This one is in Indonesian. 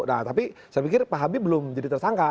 nah tapi saya pikir pak habib belum jadi tersangka